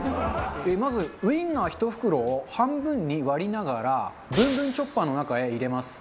まずウインナー１袋を半分に割りながらぶんぶんチョッパーの中へ入れます。